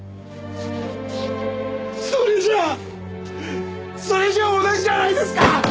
それじゃあそれじゃあ同じじゃないですか！